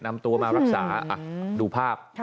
นำตัวมารักษาดูภาพ